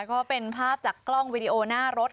ก็เป็นภาพจากกล้องวิดีโอหน้ารถ